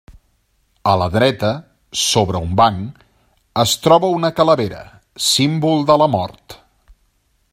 A la dreta, sobre un banc, es troba una calavera, símbol de la mort.